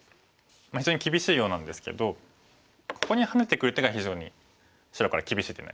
非常に厳しいようなんですけどここにハネてくる手が非常に白から厳しい手になります。